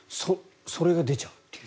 それが出ちゃうという。